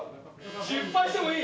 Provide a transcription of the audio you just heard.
失敗してもいい。